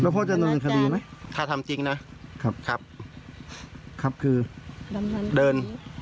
แล้วพ่อจะเดินคดีไหมถ้าทำจริงนะครับครับคือเดิน